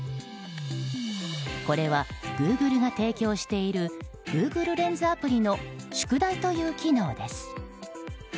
これはグーグルが提供しているグーグルレンズの宿題という機能です。